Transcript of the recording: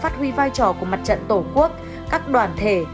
tuy vai trò của mặt trận tổ quốc các đoàn thể